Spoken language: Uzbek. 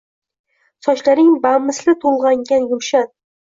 Sochlaring bamisli to’lg’angan gulshan.